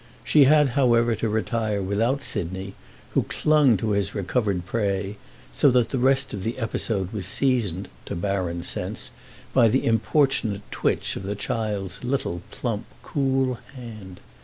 She had however to retire without Sidney, who clung to his recovered prey, so that the rest of the episode was seasoned, to Baron's sense, by the importunate twitch of the child's little, plump, cool hand.